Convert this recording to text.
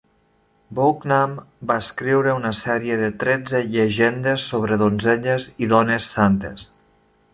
Bokenam va escriure una sèrie de tretze llegendes sobre donzelles i dones santes.